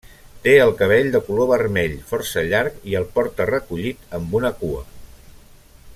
Té el cabell de color vermell, força llarg, i el porta recollit amb una cua.